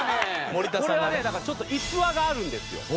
これはねだからちょっと逸話があるんですよ。